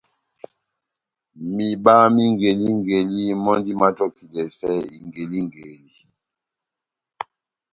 Mihiba má ingelingeli mɔ́ndi mátɔkidɛsɛ ingelingeli.